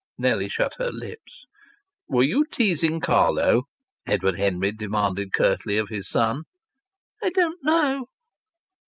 Nellie shut her lips. "Were you teasing Carlo?" Edward Henry demanded curtly of his son. "I don't know."